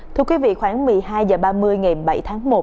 thưa quý vị khoảng một mươi hai h ba mươi ngày bảy tháng một